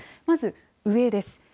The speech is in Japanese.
まず上です。